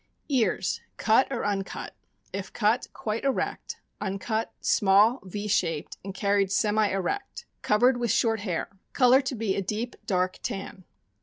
Ears cut or uncut. If cut, quite erect; uncut, small, Y shaped, and carried semi erect. Covered with short hair. Color to be a deep, dark tan.